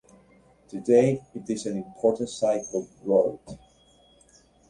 Today it is an important cycle route.